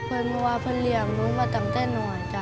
หนูว่าหนูเลี่ยงหนูก็ตั้งแต่หน่อยจ้ะ